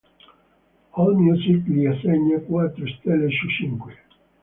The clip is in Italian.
Allmusic gli assegna quattro stelle su cinque.